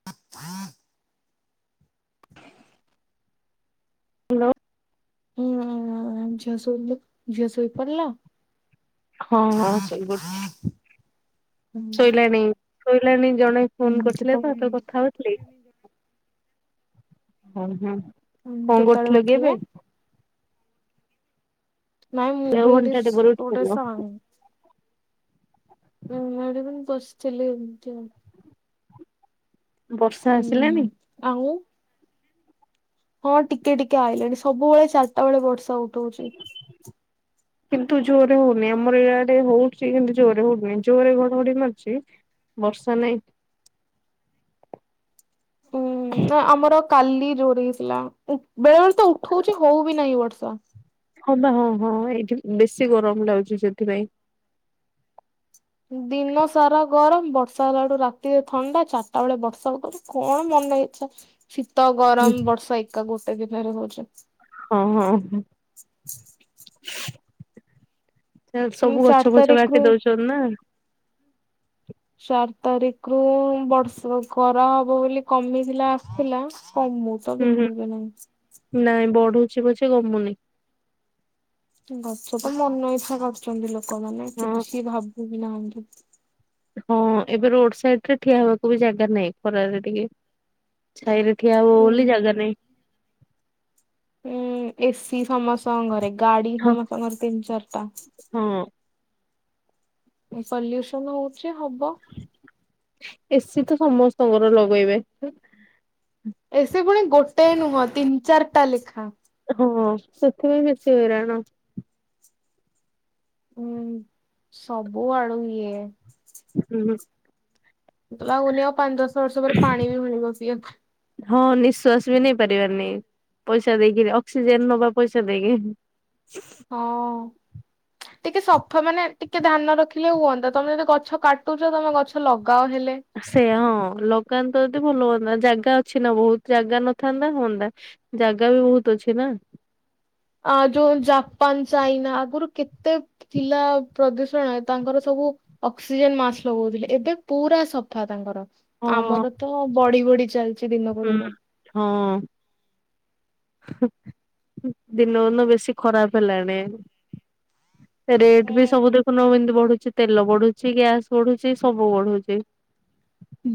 [inaudible] Hello. [unintelligible] ଝିଅ ଶୋଇନି। ଝିଅ ଶୋଇ ପଡ଼ିଲା। ହଁ ହଁ ଶୋଇ ପଡିଚି। ଶୋଇଲାଣି ଶୋଇଲାଣି ଜଣେ। ହୁଁ ଫୋନ କେତ କରିୁଥିଲା ବା ସେତେବେଳେ କଥା ହଉଥିଲି। ହୁଁ କଣ କେତେବେଳେ କରୁଥିଲେ କି ଉଠିବେ? ଏବେ? ନାଇଁ ମୁଁ ଆଉ ଏବେ ଘଣ୍ଟାଟେ ପରେ ଉଠିଥିଲ [unintelligible] [unintelligible] ବସିଥିଲି ଏମିତି ଆଉ। ବର୍ଷା ହୁଁ ଆସିଲାଣି। ଆଉ। ହଁ ଟିକେ ଟିକେ ଆଇଲାଣି। ସବୁବେଳେ ଚାରିଟା ବେଳେ ବର୍ଷା ଉଠଉଛି। କିନ୍ତୁ ଜୋରେ ହଉନି। ଆମର ଇଆଡେ ହଉଚି କିନ୍ତୁ ଜୋରେ ହଉନି। ଜୋରେ ଘଡଘଡି ମାରୁଛି। ବର୍ଷା ନାଇଁ। ଉଁ ନା ଆମର କାଲି ଜୋରେ ହେଇଥିଲା। ବେଳେ ବେଳେ ତ ଉଠଉଛି ହଉ ବି ନାହିଁ ବର୍ଷା। ହଁ ପା ହଁ ହଁ ଏଇଠି ବେଶି ଗରମ ଲାଗୁଛି ସେଥିପାଇଁ। ଦିନ ସାରା ଗରମ। ବର୍ଷା ହେଲାଠୁ ରାତିରେ ଥଣ୍ଡା। ଚାରିଟା ବେଳେ ବର୍ଷା ପକାଉଛି। କଣ ମନ ଇଛା ଶୀତ, ଗରମ, ବର୍ଷା ଏକା ଗୋଟେ ଦିନରେ ହଉଛି। ହଁ ହଁ। ସବୁ ଚାରି ଗଛ ଫଛ ତାରିଖରୁ କାଟି ଦଉଛନ୍ତି ନା। ଚାରି ତାରିଖରୁ ବର୍ଷ ଖରା ହବ ବୋଲି କମିଥିଲା ଆସିଥିଲା। କମୁତ ହୁଁ ହୁଁ ବିଲକୁଲ୍ ବି ନାହିଁ। ନାଇଁ ବଢୁଛି ପଛେ କମୁନି। ଗଛ ତ ମନ ଇଚ୍ଛା କାଟୁଛନ୍ତି ଲୋକମାନେେ ହଁ କିଛି ଭାବୁ ବି ନାହାନ୍ତି। ହଁ ଏବେ ରୋଡ୍ ସାଇଡରେ ଠିଆ ହେବାକୁ ବି ଜାଗା ନାହିଁ। ଖରାରେ ଟିକେ ଛାଇରେ ଠିଆ ହବ ଉ ବୋଲି ଯାଗା ନାହିଁ। ଉଁ ଏସି ସମସ୍ତଙ୍କ ଘରେ ଗାଡି ହଁ ସମସ୍ତଙ୍କ ଘରେ ତିନି ଚାରିଟା। ହଁ। ପଲ୍ୟୁସନ ହଉଛି ହବ। ଏସି ତ ସମସ୍ତଙ୍କର ଲଗେଇବେ। ଏସି ପୁଣି ଗୋଟେ ନୁହଁ ତିନି ଚାରିଟା ଲେଖା। ହଁ ସେଥିପାଇଁ ବେଶି ହଇରାଣ। ହୁଁ ସବୁ ଆଡୁ ଇଏ। ହାଲୋ। ଲାଗୁନି ଆଉ ପାଞ୍ଚ ଦଶ ବର୍ଷ ପରେ ପାଣି ବି ମିଳିବ ସିଏ। ହଁ ନିଃଶ୍ଵାସ ବି ନେଇ ପାରିବେନି। ପଇସା ଦେଇକରି। ଅକ୍ସିଜେନ ନବା ପଇସା ଦେଇକି। ହଁ। ଟିକେ ସଫା ମାନେ ଟିକେ ଧ୍ୟାନ ରଖିଲେ ହୁଅନ୍ତା। ତମେ ଯଦି ଗଛ କାଟୁଛ ତମେ ଗଛ ଲଗାଅ ହେଲେ। ସେ ହଁ ଲଗାନ୍ତ ଯଦି ଭଲ ହୁଅନ୍ତା। ଜାଗା ଅଛି ନା ବହୁତ। ଜାଗା ନ ଥାନ୍ତା ହୁଅନ୍ତା। ଜାଗା ବି ବହୁତ ଅଛି ନା। ଆ ଯୋଉ ଜାପାନ ଚାଇନା ଆଗରୁ କେତେ ଥିଲା ପ୍ରଦୂଷଣ ତାଙ୍କର ସବୁ ଅକ୍ସିଜେନ୍ ମାସ୍ ଲଗଉଥିଲେ। ଏବେ ପୁରା ସଫା ତାଙ୍କର। ହୁଁ ଆମର ତ ବଢି ବଢି ଚାଲିଚି ଦିନକୁ ଦିନ। ହଁ। ଦିନକୁ ଦିନ ବେଶୀ ଖରାପ ହେଲାଣି। ରେଟ୍ ବି ସବୁ ଦେଖୁନ ଏମିତି ବଢୁଛି ତେଲ ବଢୁଛି ଗ୍ୟାସ ବଢୁଛି ସବୁ ବଢୁଛି।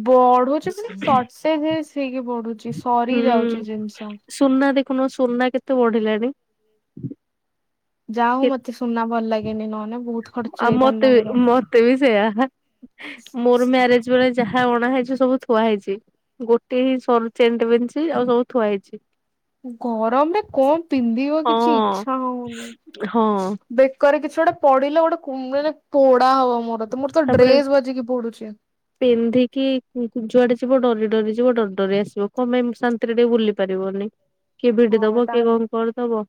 ବଢୁଛି [unintelligible] ହେଇକି ବଢୁଛି। ସରି ହୁଁ ଯାଉଛି ଜିନିଷ। ସୁନା ଦେଖୁନୁ ସୁନା କେତେ ବଢିଲାଣି? ଯା ହଉ ମତେ ସୁନା ଭଲ ଲାଗେନି ନହେନେ ବହୁତ ଖର୍ଚ୍ଚ ହେଇଥାନ୍ତା ମୋର। ତେ ବି ସେୟା। ମୋର ମ୍ୟାରେଜ ବେଳେ ଯାହା ଅଣା ହେଇଛି ସବୁ ଥୁଆ ହେଇଛି। ଗୋଟେ ହଁ ସରୁ ଚେଣ୍ଟ ପନ୍ଧଛି ଆଉ ସବୁ ଥୁଆ ହେଇଛି। ଗରମରେ କଣ ପିନ୍ଧିବ କିଛି ହଁ ଇଚଛା ହଉନି। ହଁ। ବେକରେ କିଛି ଗୋଟେ ପଡିଲେ ଗୋଟେ ମେ ପୋଡା ହବ ମୋର। ତ ମୋର ତ ତାପରେ ଡ୍ରେସ ବାଜିକି ପଡୁଛି। ପିନ୍ଧିକି ଯୁଆଡେ ଯିବ ଡରି ଡରି ଯିବ ଡରି ଡରି ଆସିବ କଣ ପାଇଁ ଶାନ୍ ଥିରେ ଟିକେ ବୁଲି ପାରିବନି କିଏ ଭଡି ହଁ ଦବ ତା କିଏ କଣ କରିଦବ?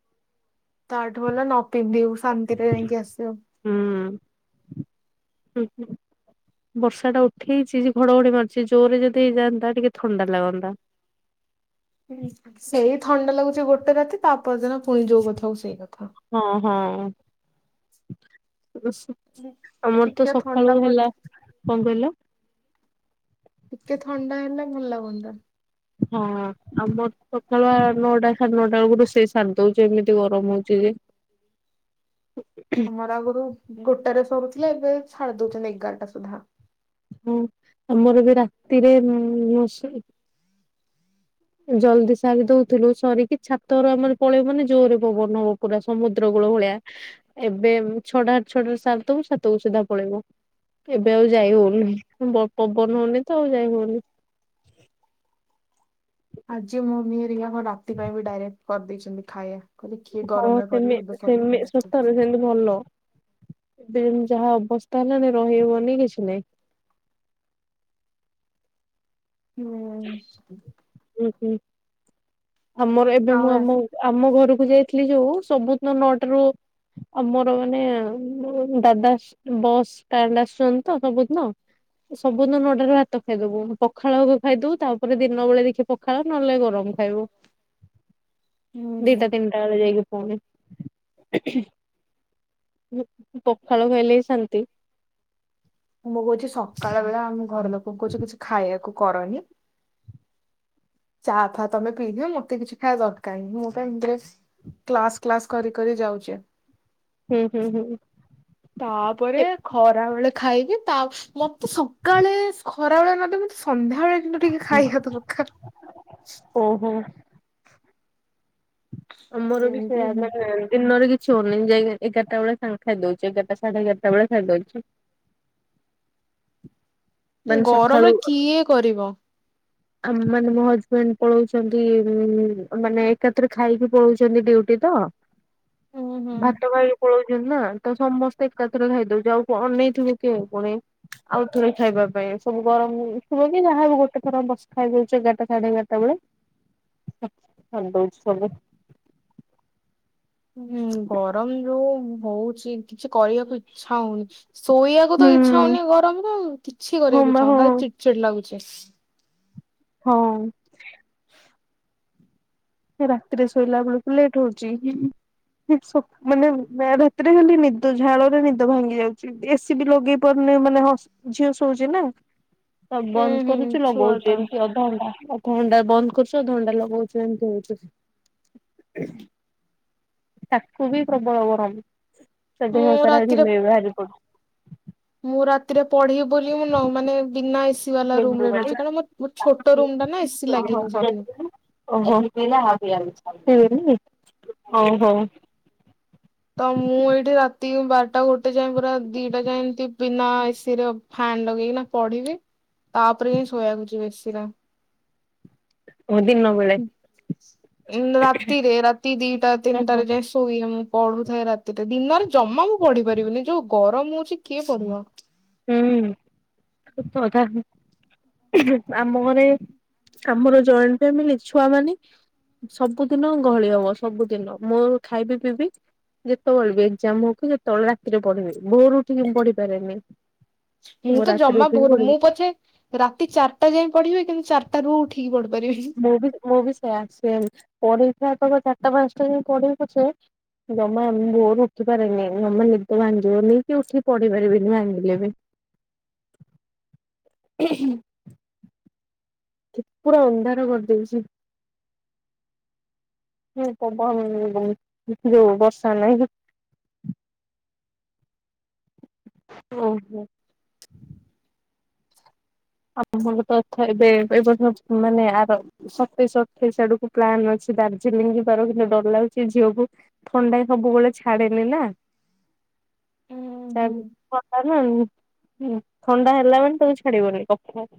ତାଠୁ ଭଲ ନ ପିନ୍ଧିବୁ ଶାନ୍ତିରେ ଯାଇଙ୍କି ଆସିବୁ। ହୁଁ। ହ ହ ବର୍ଷା ଟା ହେଇଛି ଯେ ଘଡଘଡି ମାରୁିଛି ଜୋରେ ଯଦି ହେଇଯାନ୍ତା ଟିକେ ଥଣ୍ଡା ଲାଗନ୍ତା। ସେଇ ଥଣ୍ଡା ଲାଗୁଛି ଗୋଟେ ରାତି ତାପଦିନ ପୁଣି ଯୋଉ କଥା ହଉ ସେଇ କଥା। ହଁ ହଁ। [unintelligible] ଆମର ତ ଟିକେ ଥଣ୍ଡା ସକାଳୁ ପଡି ହେଲା। କଣ କହିଲ? ଟିକେ ଥଣ୍ଡା ହେଲେ ଭଲ ଲାଗନ୍ତା। ହଁ। ଆମର ସକାଳୁଆ ନଅଟା ସାଢେ ନଅଟା ବେଳକୁ ରୋଷେଇ ସାର ଦଉଛେ ଏମିତି ଗରମ ହଉଛି ଯେ। ଆମର ଆଗରୁ ଗୋଟାରେ ସରୁଥିଲେ ଏବେ ଛାଡି ଦଉଛନ୍ତି ଏଗାରଟା ସୁଦ୍ଧା। ହଁ ଆମର ବି ରାତିରେ [unintelligible] ଜଲଦି ସାରି ଦଉଥିଲୁ ସାରିକି ଛାତର ଆମର ପଳେଇବୁ ମାନେ ଜୋରରେ ପବନ ହବ ପୁରା ସମୁଦ୍ର କୂଳ ଭଳିଆ। ଏବେ ଛଟା ଛଟା ସାରିଦବୁ ଛାତକୁ ସିଧା ପଳେଇବୁ। ଏବେ ଆଉ ଯାଇ ହଉନି ପ ପବନ ହଉନି ତ ଆଉ ଯାଇ ହଉନି। ଆଜି ମୋମି ହେରିକା କଣ ରାତି ପାଇଁ ବି ଡାଇରେକ୍ଟ କରିଦେଇଛନ୍ତି ଖାଇବା କହିଲେ କିଏ ହଁ ଗରମରେ କରିବ ସେମି ଏବେ କରିକି ସେମି ସତରେ ସେମିତି ଭଲ। ଏବେ ଯାହା ଅବସ୍ଥା ହେଲାଣି ରହିିବନି କିଛି ନହିଁ। ହୁଁ। ହୁଁ ହୁଁ। ଆମର ଏବେ ମୁଁ ଆଉ ଆମ ଆମ ଘରକୁ ଯାଇଥିଲି ଯୋଉ ସବୁଦିନ ନଅଟାରୁ ଆଉ ମୋର ମାନେ ଦାଦାସ୍ ବସ୍ ଷ୍ଟାଣ୍ଡ ଆସୁଛନ୍ତି ତ ସବୁଦିନ ସବୁଦିନ ନଟାରୁ ଭାତ ଖାଇଦବୁ। ପଖାଳ ହବ ଖାଇଦଉ ତାପରେ ଦିନ ବେଳେ ଦେଖି ପଖାଳ ନହେଲେ ଗରମ ଖାଇବୁ। ହୁଁ ହୁଁ। ଦିଟା ତିନିଟା ବେଳେ ଯାଇକି ପୁଣି ପଖାଳ ଖାଇଲେ ହଁ ଶାନ୍ତି। ମୋ ବଉ କହୁଛି ସକାଳ ବେଳେ ଆମ ଘର ଲୋକଙ୍କୁ କହୁଛି କିଛି ଖାଇବାକୁ କରନି। ଚା ଫା ତମେ ପିଇ ଦିଅ ମତେ କିଛି ଖାଇବା ଦରକାର ନାହିଁ ମୋ ପାଇଁ [inaudible] କ୍ଲାସ କ୍ଲାସ୍ କରି କରି ଯାଉଛି। ହୁଁ ହୁଁ ହୁଁ। ତାପରେ ଏ ଖରା ବେଳେ ଖାଇକି ତାଫ୍ ମତେ ସକାଳେ ଖରା ବେଳେ ନ ହେଲେ ବି ମତେ ସନ୍ଧ୍ୟା ବେଳେ କିନ୍ତୁ ଟିକେ ଖାଇବା ଦରକାର। ଓ ହଁ। ଆମର ବି ସେଇୟା ଏମିତି ମାନେ ଦିନରେ କି ଛି ହୋଉନି। ଯାଇ ଏଗାରଟାବେଳେ ସା ଖାଇଦୋଉଛି ଏଗାରଟା ସାଢେ ଏଗାରଟାବେଳେ ଖାଇଦୋଉଛି। [inaudible] ମାନେ ଗରମରେ ସକାଳୁ କିଏ କରିବ। ଆ ମାନେ ମୋ ହଜବେଣ୍ଡ ପଳଉଛନ୍ତି ମାନେ ଏକାଥରେ ଖାଇକି ପଳଉଛନ୍ତି ଡ଼ିଉଟି ତ ହୁଁ ହୁଁ। ଭାତ ଖାଇ ପଳଉଛନ୍ତି ନା ତ ସମସ୍ତେ ଏକାଥରେ ଖାଇଦଉଛୁ ଆଉ କ ଅନେଇଥିବୁ କି ଆଉ ପୁଣି। ଆଉ ଥରେ ଖାଇବା ପାଇଁ ସବୁ ଗରମ ଥିବ କି ଯାହାବି ଗୋଟେ ଥର ବାସ ଖାଇଦୋଉଛୁ ଏଗାରଟା ସାଢେ ଏଗରଟା ଟାବେଳେ ସାରିଦୋଉଛୁ ସବୁ। ହଁ ଗରମ ଯୋଉ ହଉଛି କିଛି କରିବାକୁ ଇଚ୍ଛା ହୋଉନି। ଶୋଇବାକୁ ହୁଁ ତ ଇଚ୍ଛା ହଉନି ଗରମରେ କିଛି ହଁ କରିବାକୁ ବା ଇଚ୍ଛା ହଁ। ହୋଉନି ଖାଲି ଚିଡ ଚିଡ଼ ଲାଗୁଛି। ହଁ। ରାତିରେ ଶୋଇଲା ବେଳକୁ ଲେଟ୍ ହୋଉଛି। ସକ ମାନେ ରାତିରେ ଖାଲି ନିଦ ଝାଳରେ ନିଦ ଭାଙ୍ଗି ଯାଉଛି। ଏସିି ବି ଲଗେଇ ପାରୁନି ମାନେ ହ ଝିଅ ଶୋଉଛି ନା। ତ ଉୁଁ ବନ୍ଦ ହୁଁ କରୁଛୁ ଛୁଆ ଲଗଉଛୁ ଟା ଏମିତି ଅଧଘଣ୍ଟା ଅଧଘଣ୍ଟା ବନ୍ଦ କରୁଛୁ ଅଧଘଣ୍ଟା ଲଗୋଉଛୁ ଏମିତି ହୋଉଛି। ତାକୁ ବି ପ୍ରବଳ ଗରମ। ତା ମୁଁ ଦେହସାରା ରାତିରେ ଘିମିରି ବାହାରିପଡୁଛି। ମୁଁ ରାତିରେ ପଢିବି ବୋଲି ମୁ ନୁହଁ ମାନେ ବିନା ଏସି ବାଲା ଲେମ୍ବୁ ରୁମରେ ବାଡି ରହୁଛି। କାରଣ ମୋ ମୋର ଛୋଟ ରୁମଟା ନା ଏସି ଲାଗିନି ସେଠି। ଓହୋ ପିଇବେନିକି ଓହୋ। ତ ମୁଁ ଏଇଠି ରାତି ବାରଟା ଗୋଟେ ଯାଏ ପୁରା ଦିଟା ଯାଏ ଏମତି ବିନା ଏସି ରେ ଫାନ୍‌ ଲଗେଇକି ନା ପଢିବି ତାପରେ ହିଁ ଶୋଇବାକୁ ଯିବି ଏସିରେ। ଓ ଦିନବେଳେ ଉଁ ରାତିରେ ରାତି ଦିଟା ତିନିଟାରେ ଯାଇଁ ସୋ ନ ଶୋଇ ମୁଁ ପଢୁଥାଏ ରାତିରେ। ଦିନରେ ଜମା ମୁଁ ପଢି ପାରିବିନି ଯୋଉ ଗରମ ହଉଛି କିଏ ପଢିବ। ହୁଁ ସତ କଥା। ଆମ ଘରେ ଆମର ଜଏଣ୍ଟ ଫ୍ୟାମିଲି ଛୁଆ ମାନେ ସବୁଦିନ ଗହଳି ହେବ ସବୁଦିନ ମୋ ଖାଇବି ପିଇବି ଯେତେବେଳେ ବି ଏକ୍ଜାମ ହଉ କି ଯେତେବେଳେ ରାତିରେ ପଢିବି। ଭୋଓରୁ ଉଠିକି ମୁଁ ପଢିପାରେନି। ମୁଁ ତ ରାତିରେ ଜମା ଉଠିକି ଭୋରୁ ପଢିବି। ମୁଁ ପଛେ ରାତି ଚାରିଟା ଯାଏଁ ପଢିବି କିନ୍ତୁ ଚାରିଟାରୁ ଉଠିକ ପଢିପାରିବିନି। ମୁଁ ବି ମୁଁ ବି ସେୟା ସେମ। ପରୀକ୍ଷା ଥିବ ଚାରିଟା ପାଞ୍ଚଟା ଯା ପଢେଇଛେ ଜମା ଭୋରୁ ଉଠିପାରେନି ଜମା ନିଦ ଭାଙ୍ଗିବନି କି ଉଠିକି ପଢି ପାରିବିନି ଭାଙ୍ଗିଲେବି। [unintelligible] ଖୀ ପୁରା ଅନ୍ଧାର କରିଦଉଚି। ହଁ ପବନ ଯୋଉ ବର୍ଷା ନାହିଁ କି ଓହୋ। ଆରମ୍ଭରୁ ତ ଅଛ ଏବେ ଏ ବର୍ଷ ମାନେ ଆର ସତେଇଶି ଅଠେଇଶି ଆଡକୁ ପ୍ଲାନ ଅଛି ଦାର୍ଜିଲିଂ ଯିବାର। କିନ୍ତୁ ଡର ଲାଗୁଚି ଝିଅକୁ ଥଣ୍ଡା ସବୁବେଳେ ଛାଡେନିନା। ଉୁଁ [unintelligible] ହୁଁ ଥଣ୍ଡା ହେଲାମାନେ ତାକୁ ଛାଡିବନି। ଖିଆ।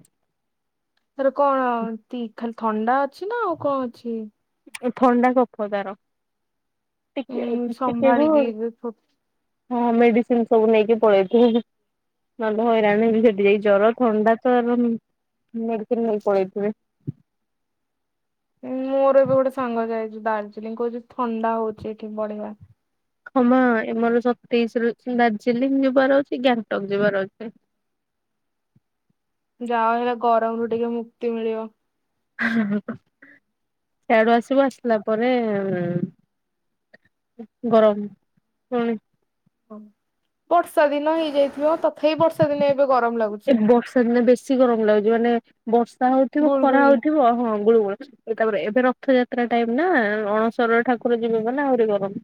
ତାର କଣ ତି ଖାଲି ଥଣ୍ଡା ଅଛି ନା ଆଉ କଣ ଅଛି? ଥଣ୍ଡା କଫ ତାର। ଟିକେ ଉଁ ଟିକେ ରୁ ସମ୍ଭାଳିକି ଏବେ ଫୁ ହଁ ମେଡିସିନ ସବୁ ନେଇକି ପଳେଇଥିବୁ। ନହେଲେ ହଇରାଣ ହେବି ସେଠି। ଜର ଥଣ୍ଡା ତ ଏବଂ ମେଡିସିନି ନେଇକି ପଳେଇଥିବି। ଉଁ ମୋର ଏବେ ଗୋଟେ ସାଙ୍ଗ ଯାଇଚି ଦାର୍ଜିଲିଂ, କହୁଚି ଥଣ୍ଡା ହଉଚି ଏଠି ବଢିଆ। ହମ ଏମର ସତେଇଶି ରେ ଦାର୍ଜିଲିଂ ଯିବାର ଅଛି। ଗ୍ୟାଙ୍ଗଟକ ଯିବାର ଅଛି। ଯାଅ ହେଲେ ଗରମରୁୁ ଟିକେ ମୁକ୍ତି ମିଳିବ। ହୁ ହୁ ସିଆଡୁ ଆସିବୁ ଆସିଲା ପରେ ଗରମ ଫୁଣି। ବର୍ଷା ଦିନ ହେଇଯାଇଥିବ ତ। ଥି ବର୍ଷା ଦିନେ ଏବେ ଗରମ। ଏ ଲାଗୁଛି ବର୍ଷା ଦିନେ ବେଶୀ ଗରମ ଲାଗୁଚି, ମାନେ ବର୍ଷା ହଉଚି। କି ଖରା ଗୁଳଗୁଳି। ହେଉଥିବ। ହଁ ଗୁଳି ଗୁଳି ତାପରେ ଏବେ ରଥଯାତ୍ରା ଟାଇମ ନା ଅଣସର ଠାକୁର ଯିବେ ମାନେ ଆହୁରି ଗରମ।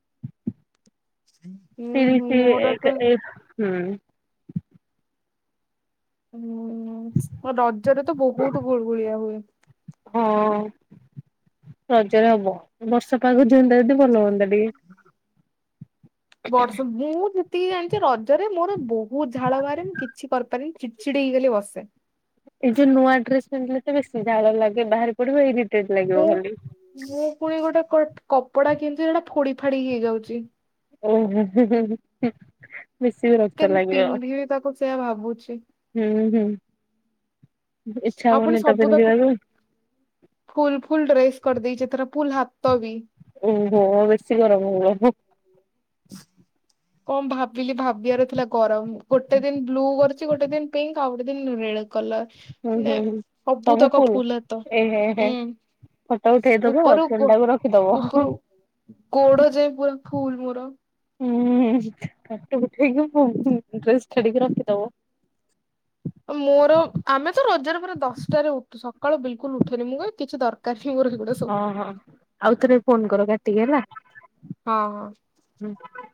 ହୁଁ ହୁଁ ତିରିଶି ମୋର ତ ଏକ ଏକ ହୁଁ [unintelligible] ହୁଁ ରଜରେ ତ ବହୁତୁ ଗୁଳି ଗୁଳିଆ ହୁଏ। ହଁ। ରଜରେ ହବ ବର୍ଷା ପାଗ ଯିଅନ୍ତା ଯଦି ଭଲ ହୁଅନ୍ତା ଟିକେ। ବର୍ଷ ମୁଁ ଯେତିକି ଜାଣିଚି ରଜରେ ମୋର ବହୁତ ଝାଳ ବାହାରେ। ମୁଁ କିଛି କରିପାରେନି ଚିଡି ଚିଡି ହେଇ ବସେ। ଏଇ ଯୋଉ ନୂଆ ଡ୍ରେସ ପିନ୍ଧିଲେ ତ ବେଶୀ ଝାଳ ଲାଗେ। ବାହାରି ପଡିବ ଇରିଟେଡ ଲାଗିବ ମୁଁ ଖାଲି। ମୁଁ ଫୁଣି ଗୋଟେ କ କପଡା କିଣିଚି। ସେଟା ଫୋଡି ଫାଡି ହେଇଯାଉଚି। ଉଁ ହୁଁ ଉଁ। ବେଶି ବିରକ୍ତ କେମିତି ଲାଗିବ ପିନ୍ଧିବି ତାକୁ ସେୟା ଭାବୁଛି ହୁଁ ହୁଁ। ଇଚ୍ଛା ଆଉ ହୁଏନି ତ ପିନ୍ଧିବାକୁ। ଫ୍ଲୁଲୁ ଫ୍ଲୁଲୁ ଡ୍ରେସ କରିଦେଇଚି। ଫ୍ଲୁଲୁ ହାତ ବି। ଓ ହୋ ବେଶୀ ଗରମ ହେବ ହେ। କଣ ଭାବିଲି ଭାବିବାର ଥିଲା ଗରମ। ଗୋଟେ ଦିନ ବ୍ଲୁ କରି ଅଛି ଗୋଟେ ଦିନ ପିଙ୍କ ଆଉ ଗୋଟେ ଦିନ ନିଳ ହୁଁ କଲର ନେ ହୁଁ। ହୁଁ ସବୁ ସବୁତକ ଫୁଲ ଫ୍ଲୁଲୁ ହାତ ଉୁଁ। ଫଟ ଉଠେଇଦବ। ଆଉ ଫୋନଟା କୁ ଉପରୁ ରଖିଦବ। ଗୋଡ ଯାଇଏଁ ପୁରା ଫ୍ଲୁଲୁ ମୋର। ହୁଁ ଫଟ ଉଠେଇକି ହୁଁ ଡ୍ରେସ କାଡିକି ରଖିଦବ। ମୋର ଆମେ ତ ରଜରେ ପୁରା ଦଶଟାରେ ଉଠୁ ସକାଳୁ ବିଲିକୁଲ ଉଠେନି। ମୁଁ କ କିଛି ଦରକାର ନାହିଁ ମୋର ସେଇଗୁଡା ଓଁହୋ ଆଉଥରେ ଫୋନ କର କାଟିକି ହେଲା। ହଁ ହଁ ହୁଁ [unintelligible]